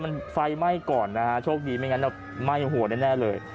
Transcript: มันไฟไหม้ก่อนนะฮะโชคดีไม่งั้นไหม้หัวแน่เลย